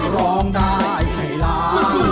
ร้องได้ให้ล้าน